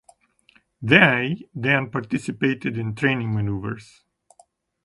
They then participated in training manoeuvres.